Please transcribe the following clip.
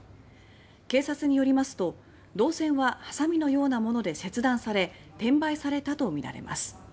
警察によりますと銅線はハサミのようなもので切断され転売されたとみられます。